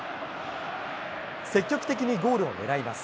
積極的にゴールを狙います。